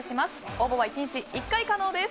応募は１日１回可能です。